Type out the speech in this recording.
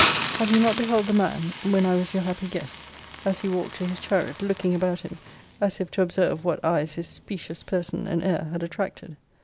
Have you not beheld the man, when I was your happy guest, as he walked to his chariot, looking about him, as if to observe what eyes his specious person and air had attracted?